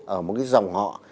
ở một cái dòng họ